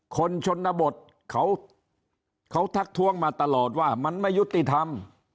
ชนบทเขาทักท้วงมาตลอดว่ามันไม่ยุติธรรม